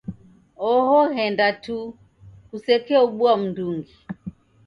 Oho ghenda tuu. Kusekeobua m'ndungi.